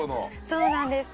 「そうなんです。